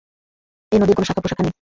এ নদীর কোনো শাখা-প্রশাখা নেই।